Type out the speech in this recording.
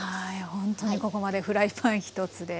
ほんとにここまでフライパン一つで。